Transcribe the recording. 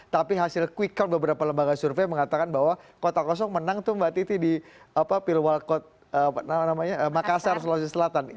tapi hasil quick count beberapa lembaga survei mengatakan bahwa kota kosong menang tuh mbak titi di pilwalkot makassar sulawesi selatan